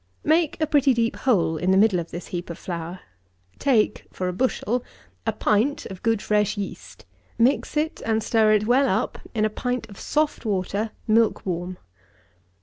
Make a pretty deep hole in the middle of this heap of flour. Take (for a bushel) a pint of good fresh yeast, mix it and stir it well up in a pint of soft water milk warm.